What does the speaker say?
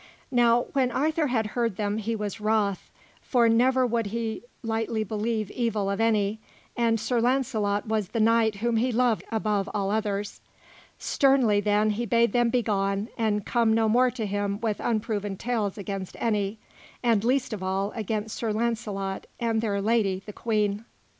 Now when Arthur had heard them, he was wroth; for never would he lightly believe evil of any, and Sir Launcelot was the knight whom he loved above all others. Sternly then he bade them begone and come no more to him with unproven tales against any, and, least of all, against Sir Launcelot and their lady, the Queen.